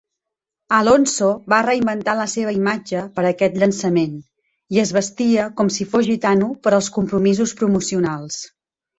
Alonso va reinventar la seva imatge per a aquest llançament, i es vestia com si fos gitano per als compromisos promocionals.